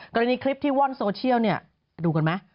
กรณีคลิปที่ว่อนโซเชียลดูกันไหม